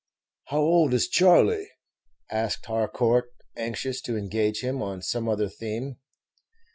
"How old is Charley?" asked Harcourt, anxious to engage him on some other theme.